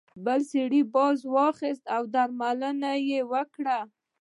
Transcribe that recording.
بل سړي باز واخیست او درملنه یې وکړه.